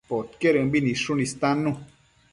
Podquedëmbi nidshun istannu